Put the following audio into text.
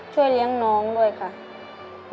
ช่วยเลี้ยงน้องด้วยค่ะ